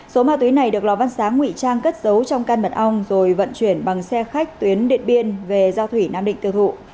số ma túy này được lò văn sáng ngụy trang cất giấu trong căn mật ong rồi vận chuyển bằng xe khách tuyến điện biên về giao thủy nam định tiêu thụ